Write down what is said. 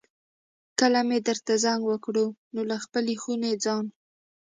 کله مې درته زنګ وکړ نو له خپلې خونې ځان.